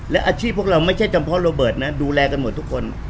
และอาชีพพวกเราไม่ใช่เฉพาะโรเบิร์ตนะดูแลกันหมดทุกคน